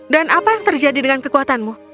dan apa yang terjadi dengan kekuatanmu